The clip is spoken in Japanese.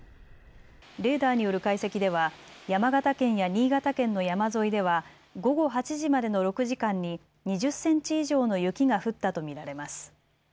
レーダーによる解析では山形県や新潟県の山沿いでは午後８時までの６時間に２０センチ以上の雪が降ったと見られます。